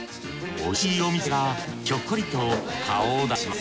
美味しいお店がひょっこりと顔を出します。